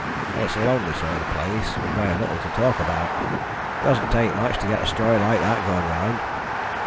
It's a lonely sort of place, with very little to talk about; it doesn't take much to get a story like that going round."